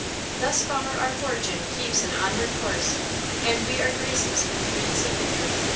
Thus far our fortune keeps an onward course, And we are graces with wreaths of victory.